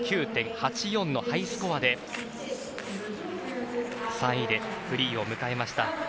７９．８４のハイスコアで３位でフリーを迎えました。